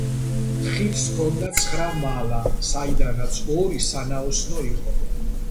ხიდს ჰქონდა ცხრა მალა, საიდანაც ორი სანაოსნო იყო.